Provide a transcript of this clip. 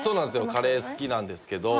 カレー好きなんですけど。